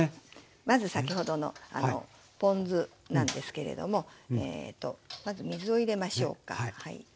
まず先ほどのポン酢なんですけれどもまず水を入れましょうか。